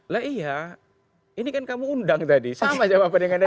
lah iya ini kan kamu undang tadi sama jawaban dengan anda